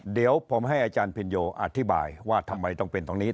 เดี๋ยวผมให้อาจารย์พินโยอธิบายว่าทำไมต้องเป็นตรงนี้